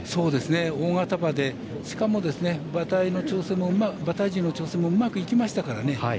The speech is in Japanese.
大型馬でしかも馬体重の調整もうまくいきましたからね。